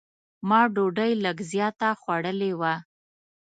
ما ډوډۍ لږ زیاته خوړلې وه.